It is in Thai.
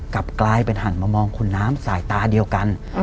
กลับกลายเป็นหันมามองคุณน้ำสายตาเดียวกัน